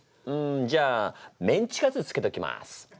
じゃあメンチカツつけときます！